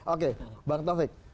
oke bang taufik